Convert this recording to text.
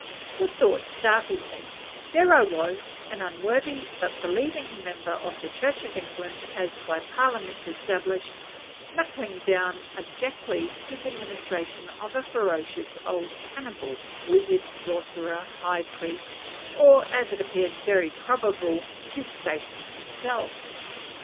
The thought startled me. There was I, an unworthy but believing member of the Church of England as by Parliament established, "knuckling down" abjectly to the ministration of a ferocious old cannibal, wizard, sorcerer, high priest, or, as it appeared very probable, to Satan himself.